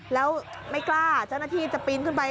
แล้วไม่กล้าเจ้าหน้าที่จะปีนขึ้นไป